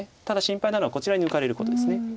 ただ心配なのはこちらに抜かれることです。